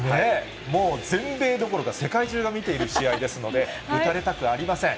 もう全米どころか、世界中が見ている試合ですので、打たれたくありません。